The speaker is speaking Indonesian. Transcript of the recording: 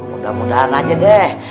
mudah mudahan aja deh